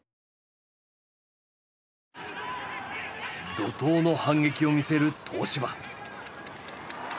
怒とうの反撃を見せる東芝。